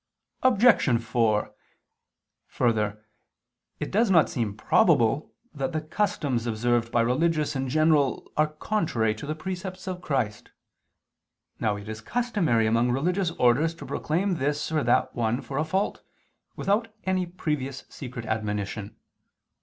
Obj. 4: Further, it does not seem probable that the customs observed by religious in general are contrary to the precepts of Christ. Now it is customary among religious orders to proclaim this or that one for a fault, without any previous secret admonition.